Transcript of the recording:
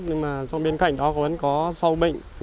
nhưng mà trong bên cạnh đó vẫn có sông